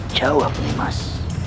jawab nih mas